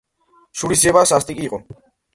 შურისძიება სასტიკი იყო.